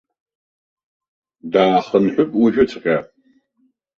Даахынҳәып уажәыҵәҟьа.